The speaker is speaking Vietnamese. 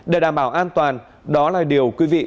để đảm bảo an toàn đó là điều quý vị